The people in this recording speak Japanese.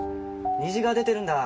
虹が出てるんだ。